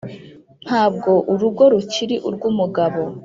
. Ntabwo urugo rukiri urw’umugabo;